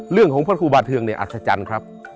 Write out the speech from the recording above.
เรื่องของพระครูบาเถวงนี่อัศจรรย์ครับ